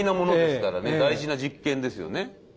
大事な実験ですよね。